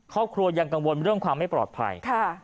ครอบครัวยังกังวลเรื่องความไม่ปลอดภัย